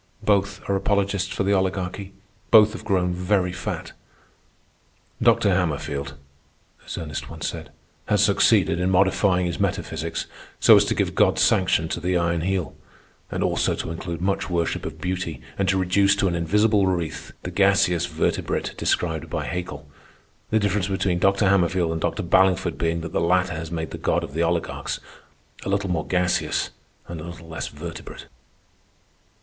Both are apologists for the Oligarchy. Both have grown very fat. "Dr. Hammerfield," as Ernest once said, "has succeeded in modifying his metaphysics so as to give God's sanction to the Iron Heel, and also to include much worship of beauty and to reduce to an invisible wraith the gaseous vertebrate described by Haeckel—the difference between Dr. Hammerfield and Dr. Ballingford being that the latter has made the God of the oligarchs a little more gaseous and a little less vertebrate."